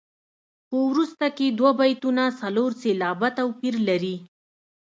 په وروسته کې دوه بیتونه څلور سېلابه توپیر لري.